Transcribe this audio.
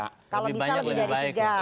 kalau bisa lebih dari tiga